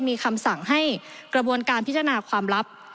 มีคำสั่งให้กระบวนการพิจารณาความลับ